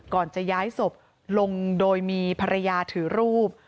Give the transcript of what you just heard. ก่อนจะย้ายศพลงโดยมีภรรยาถือรูป